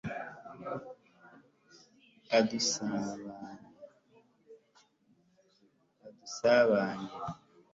udusabanye